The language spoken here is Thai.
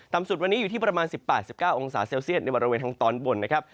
สุดวันนี้อยู่ที่ประมาณ๑๘๑๙องศาเซลเซียตในบริเวณทางตอนบนนะครับ